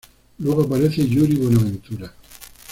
Luego aparece Yuri Buenaventura.